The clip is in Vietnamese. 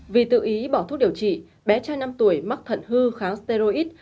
vì tự ý bỏ thuốc điều trị bé trai năm tuổi mắc thận hư kháng seroid